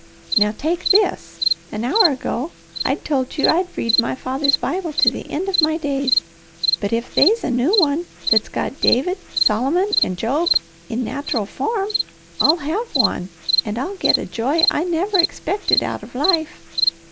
Now take this! An hour ago I'd told you I'd read my father's Bible to the end of my days. But if they's a new one that's got David, Solomon, and Job in nateral form, I'll have one, and I'll git a joy I never expected out of life.